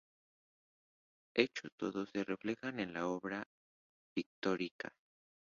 Hechos todos que se reflejan en la obra pictórica.